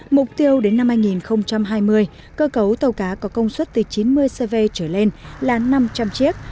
mục tiêu đến năm hai nghìn hai mươi cơ cấu tàu cá có công suất từ chín mươi cv trở lên là năm trăm linh chiếc